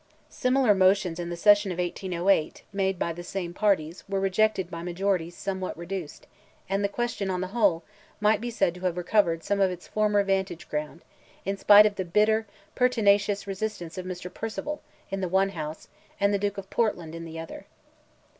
Similar motions in the session of 1808, made by the same parties, were rejected by majorities somewhat reduced, and the question, on the whole, might be said to have recovered some of its former vantage ground, in despite of the bitter, pertinacious resistance of Mr. Perceval, in the one House, and the Duke of Portland, in the other.